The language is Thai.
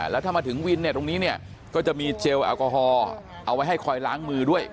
แล้วถ้ามาถึงวินเนี่ยตรงนี้เนี่ยก็จะมีเจลแอลกอฮอล์เอาไว้ให้คอยล้างมือด้วย